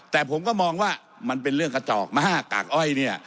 แต่ผมก็มองว่ามันเป็นเรื่องกระจอกม๕กากอ้อยเนี่ย